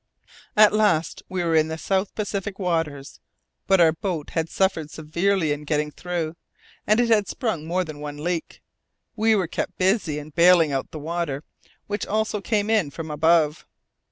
At last we were in the South Pacific waters, but our boat had suffered severely in getting through, and it had sprung more than one leak. We were kept busy in baling out the water, which also came in from above.